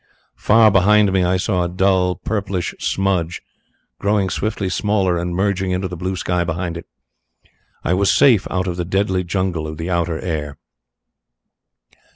Far behind me I saw a dull, purplish smudge growing swiftly smaller and merging into the blue sky behind it. I was safe out of the deadly jungle of the outer air.